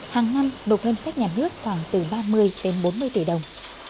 hàng năm đột ngân sách nhà nước khoảng từ ba mươi đến bốn mươi tỷ đồng